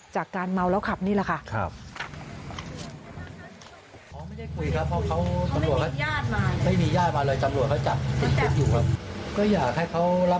จากการเมาแล้วขับนี่แหละค่ะ